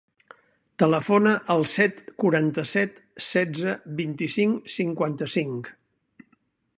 Telefona al set, quaranta-set, setze, vint-i-cinc, cinquanta-cinc.